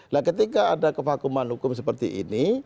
nah ketika ada kevakuman hukum seperti ini